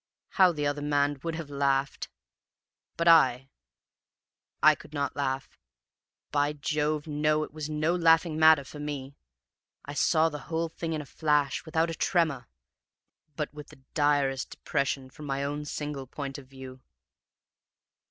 How the other man would have laughed! But I I could not laugh. By Jove, no, it was no laughing matter for me! I saw the whole thing in a flash, without a tremor, but with the direst depression from my own single point of view.